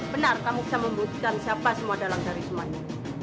benar kamu bisa membuktikan siapa semua dalang dari semuanya